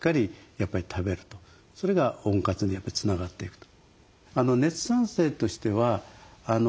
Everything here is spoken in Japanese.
それが温活につながっていくと。